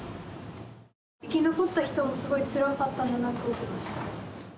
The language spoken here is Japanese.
生き残った人もすごいつらかったんだなと思いました。